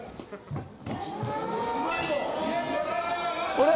「あれ？」